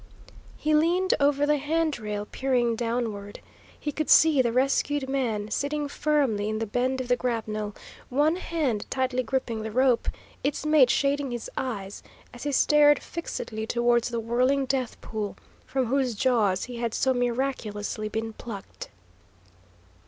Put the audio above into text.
He leaned over the hand rail, peering downward. He could see the rescued man sitting firmly in the bend of the grapnel, one hand tightly gripping the rope, its mate shading his eyes, as he stared fixedly towards the whirling death pool, from whose jaws he had so miraculously been plucked.